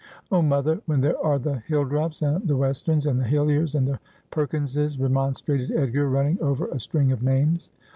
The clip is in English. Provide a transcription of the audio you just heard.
' Oh, mother, when there are the Hilldrops, and the Westerns, and the Hilliers, and the Perkinses,' remonstrated Edgar, running over a string of names.